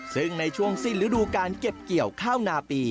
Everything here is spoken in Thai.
ซึ่งในช่วงสิ้นฤดูการเก็บเกี่ยวข้าวนาปี